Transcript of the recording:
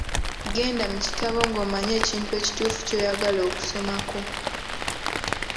Genda mu kitabo ng'omanyi ekintu ekituufu ky'oyagala okusomako.